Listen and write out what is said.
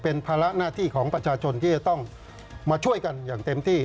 เป็นภาระหน้าที่ของประชาชนที่จะต้องมาช่วยกันอย่างเต็มที่